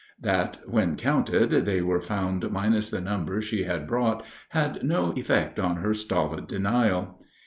That when counted they were found minus the number she had brought had no effect on her stolid denial.